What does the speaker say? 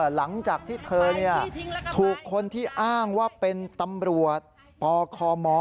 หลังจากที่เธอถูกคนที่อ้างว่าเป็นตำรวจปคม